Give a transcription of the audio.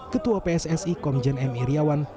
ketua pssi komjen m iryawan